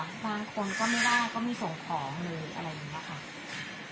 บางคนก็ไม่ได้ก็ไม่ส่งของเลยอะไรอย่างนี้ค่ะ